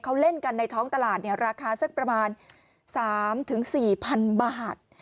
เขาเล่นกันในท้องตลาดเนี่ยราคาสักประมาณสามถึงสี่พันบาท